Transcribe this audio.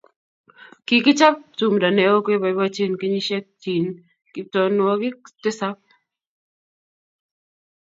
kikichob tumdo neoo keboibochini kenyisiekchin Kiptooonwokik tisab